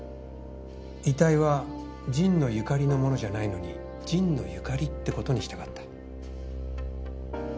遺体は神野由香里のものじゃないのに神野由香里ってことにしたかった。